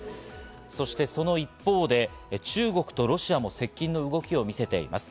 そして、その一方で中国とロシアの接近の動きも見せています。